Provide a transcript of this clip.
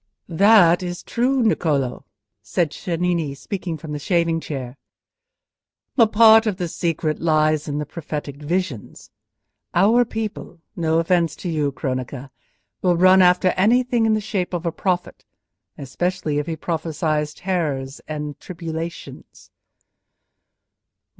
"That is true, Niccolò," said Cennini, speaking from the shaving chair, "but part of the secret lies in the prophetic visions. Our people—no offence to you, Cronaca—will run after anything in the shape of a prophet, especially if he prophesies terrors and tribulations."